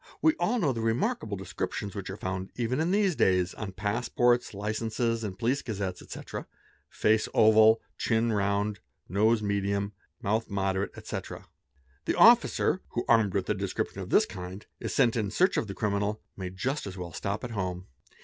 We all know the remarkable descriptions which are found, even in these days, on passports, _ licenses, in police gazettes, etc.: face oval, chin round, nose medium, "mouth moderate, etc. The officer, who, armed with a description of this kind, is sent in search of a criminal, may just as well stop at home.